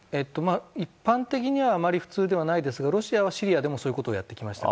一般的にはあまり普通ではないですがロシアはシリアでもそういうことをやってきました。